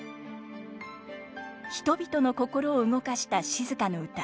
人々の心を動かした静の歌。